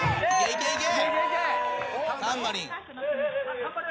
「いけいけ。